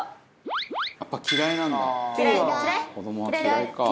「やっぱ嫌いなんだ。